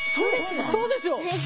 ⁉そうでしょ！